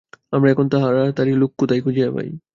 আমরা এখন তাড়াতাড়ি লোক কোথায় খুঁজিয়া পাই!